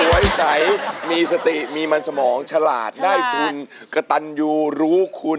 ไว้ใจมีสติมีมันสมองฉลาดได้ทุนกระตันยูรู้คุณ